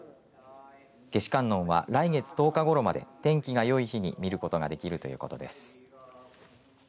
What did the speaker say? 夏至観音は来月１０日ごろまで天気がよい日に見ることができるということです。